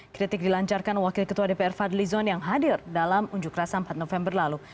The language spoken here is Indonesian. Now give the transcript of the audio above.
kritik dilancarkan wakil ketua dpr fadlizon yang hadir dalam unjuk rasa empat november lalu